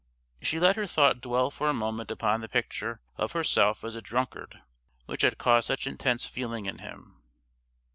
She let her thought dwell for a moment upon the picture of herself as a drunkard which had caused such intense feeling in him.